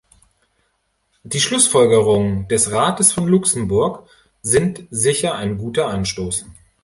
Die Schlussfolgerungen des Rates von Luxemburg sind sicher ein guter Anstoß.